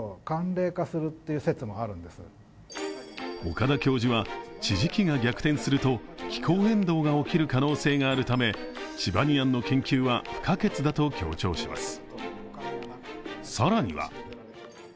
岡田教授は、地磁気が逆転すると気候変動が起きる可能性があるためチバニアンの研究は不可欠だと強調します。